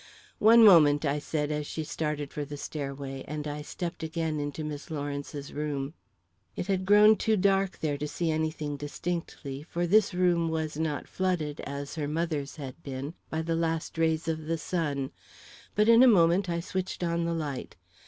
"One moment," I said, as she started for the stairway, and I stepped again into Miss Lawrence's room. It had grown too dark there to see anything distinctly, for this room was not flooded, as her mother's had been, by the last rays of the sun, but in a moment I switched on the light.